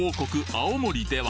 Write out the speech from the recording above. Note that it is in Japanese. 青森では